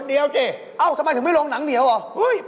เอ้าทำไมถึงไม่ลงนังเดียวเหรอ